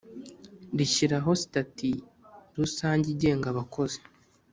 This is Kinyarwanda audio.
rishyiraho Sitati Rusange igenga abakozi